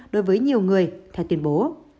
đối với nhiều người theo tuyên bố